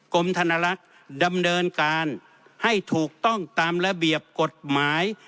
กรมธนลักษณ์ดำเนินการให้ถูกต้องตามระเบียบกฎหมาย